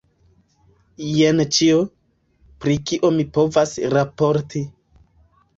Jen ĉio, pri kio mi povas raporti.